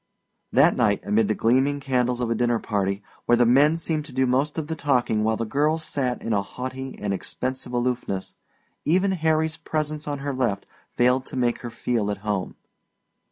That night, amid the gleaming candles of a dinner party, where the men seemed to do most of the talking while the girls sat in a haughty and expensive aloofness, even Harry's presence on her left failed to make her feel at home.